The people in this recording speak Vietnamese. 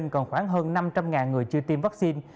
còn khoảng hơn năm trăm linh người chưa tiêm vaccine